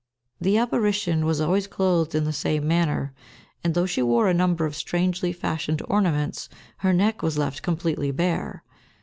The apparition was always clothed in the same manner, and though she wore a number of strangely fashioned ornaments, her neck was left completely bare.